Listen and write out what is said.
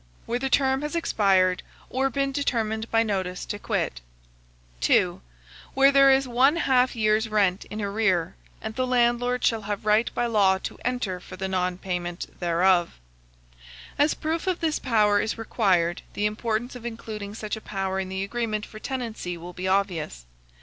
Where the term has expired, or been determined by notice to quit. 2. Where there is one half year's rent in arrear, and the landlord shall have right by law to enter for the nonpayment thereof. As proof of this power is required, the importance of including such a power in the agreement for tenancy will be obvious.